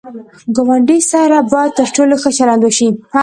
ګاونډي سره باید تر ټولو ښه چلند وشي